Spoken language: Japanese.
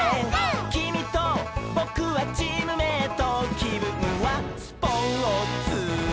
「きみとぼくはチームメイト」「きぶんはスポーツ」